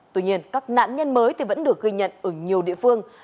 tuy nhiên các nạn nhân mới vẫn được ghi nhận ở nhiều địa phương